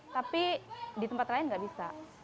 tapi di tempat lain nggak bisa